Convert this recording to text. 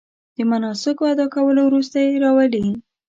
د مناسکو ادا کولو وروسته یې راولي.